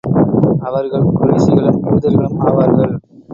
அவர்கள் குறைஷிகளும், யூதர்களும் ஆவார்கள்.